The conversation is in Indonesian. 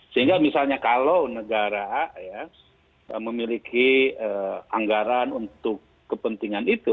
sehingga misalnya kalau negara memiliki anggaran untuk kepentingan itu